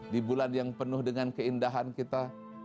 di bulan yang penuh dengan keindahan kita